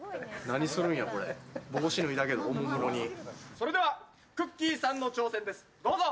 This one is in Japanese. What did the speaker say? それではくっきー！さんの挑戦です、どうぞ。